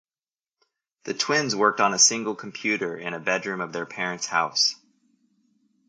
The twins worked on a single computer in a bedroom of their parents' house.